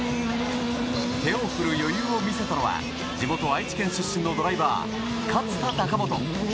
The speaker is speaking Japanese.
手を振る余裕を見せたのは地元・愛知県出身のドライバー勝田貴元。